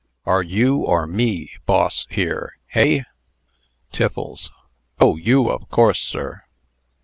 "Are you, or me, boss here, hey?" TIFFLES. "Oh! you, of course, sir."